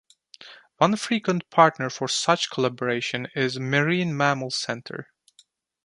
One frequent partner for such collaboration is the Marine Mammal Center.